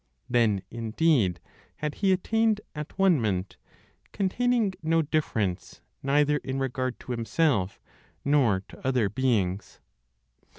Then indeed had he attained at one ment, containing no difference, neither in regard to himself, nor to other beings.